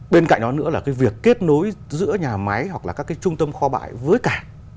bên cạnh đó nữa là cái việc kết nối giữa nhà máy hoặc là các cái trung tâm kho bãi với cảng